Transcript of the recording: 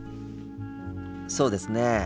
そうですね。